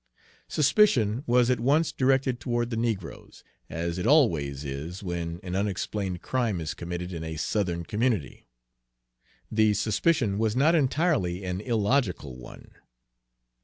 Suspicion was at once directed toward the negroes, as it always is when an unexplained crime is committed in a Southern community. The suspicion was not entirely an illogical one.